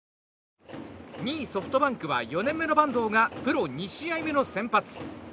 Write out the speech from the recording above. ２位ソフトバンクは４年目の板東がプロ２試合目の先発。